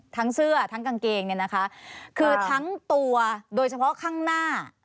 ทั้งเสื้อทั้งกางเกงเนี่ยนะคะคือทั้งตัวโดยเฉพาะข้างหน้า